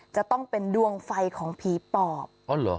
จะต้องเป็นดวงไฟของผีปอบอ๋อเหรอ